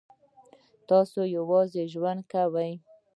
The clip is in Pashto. تاسو یوازې ژوند کوئ؟